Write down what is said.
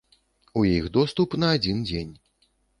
У іх доступ на адзін дзень.